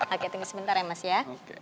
oke tunggu sebentar ya mas ya